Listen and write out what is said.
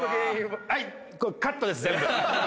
はいカットです全部。